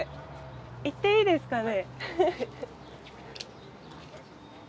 行っていいですかね？